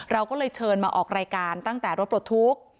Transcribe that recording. เราก็เลยเชิญมาออกรายการตั้งแต่รถปลดทุกข์